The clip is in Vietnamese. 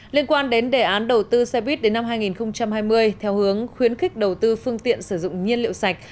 liên quan đến đề án đầu tư xe buýt đến năm hai nghìn hai mươi theo hướng khuyến khích đầu tư phương tiện sử dụng nhiên liệu sạch